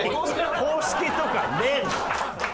公式とかねえの！